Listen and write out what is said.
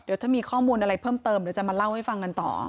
เดี๋ยวถ้ามีข้อมูลอะไรเพิ่มเติมเดี๋ยวจะมาเล่าให้ฟังกันต่อ